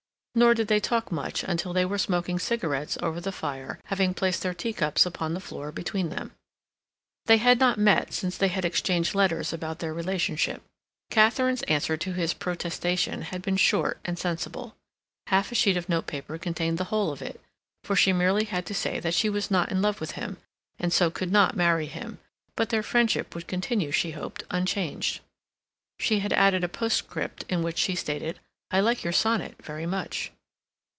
Nor did they talk much until they were smoking cigarettes over the fire, having placed their teacups upon the floor between them. They had not met since they had exchanged letters about their relationship. Katharine's answer to his protestation had been short and sensible. Half a sheet of notepaper contained the whole of it, for she merely had to say that she was not in love with him, and so could not marry him, but their friendship would continue, she hoped, unchanged. She had added a postscript in which she stated, "I like your sonnet very much."